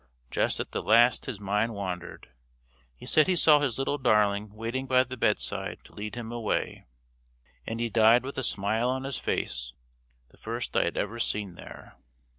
Just at the last his mind wandered. He said he saw his little darling waiting by the bedside to lead him away, and he died with a smile on his face the first I had ever seen there."